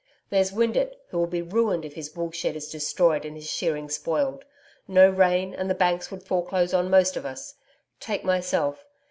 There's Windeatt, who will be ruined if his wool shed is destroyed and his shearing spoiled. No rain, and the banks would foreclose on most of us. Take myself.